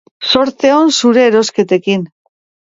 Zorte on zuen erosketekin!